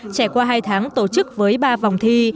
trải qua hai tháng tổ chức với ba vòng thi